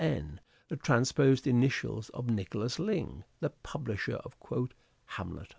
N., the transposed initials of Nicholas Ling, the publisher of " Hamlet."